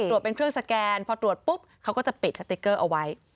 เป็นเครื่องสแกนพอตรวจปุ๊บเขาก็จะปิดสติ๊กเกอร์เอาไว้